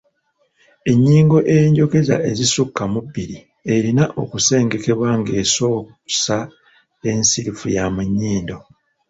Ennyingo ey’enjogeza ezisukka mu bbiri erina kusengekebwa ng’esoosa nsirifu ya mu nnyindo.